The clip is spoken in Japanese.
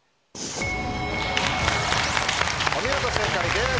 お見事正解です！